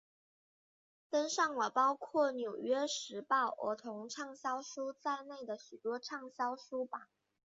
登上了包括纽约时报儿童畅销书在内的许多畅销书榜。